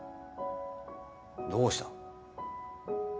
どうした？